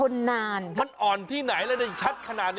นานมันอ่อนที่ไหนแล้วได้ชัดขนาดนี้